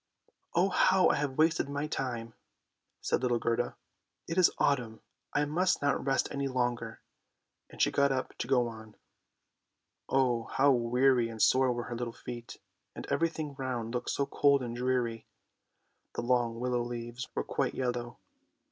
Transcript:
" Oh, how I have wasted my time," said little Gerda. " It is autumn. I must not rest any longer," and she got up to go on. Oh, how weary and sore were her little feet, and everything round looked so cold and dreary. The long willow leaves were quite yellow.